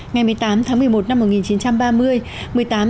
ngày một mươi tám tháng một mươi một năm một nghìn chín trăm ba mươi